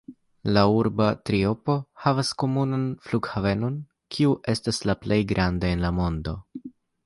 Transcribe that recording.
La urba triopo havas komunan flughavenon, kiu estas la plej granda en la mondo.